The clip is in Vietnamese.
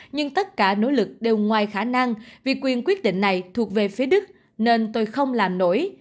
nỗ lực đều ngoài khả năng vì quyền quyết định này thuộc về phía đức nên tôi không làm nổi